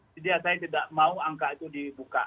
saya tidak mau angka itu dibuka